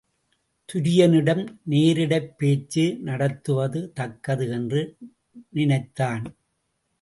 துரியனிடம் நேரிடைப் பேச்சு நடத்துவது தக்கது என்று நினைத்தான்.